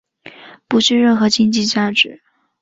不具任何经济价值。